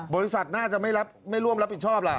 บริษัทน่าจะไม่ร่วมรับผิดชอบล่ะ